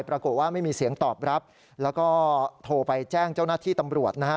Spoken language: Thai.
ปรากฏว่าไม่มีเสียงตอบรับแล้วก็โทรไปแจ้งเจ้าหน้าที่ตำรวจนะฮะ